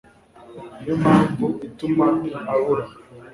Niyo mpamvu ituma abura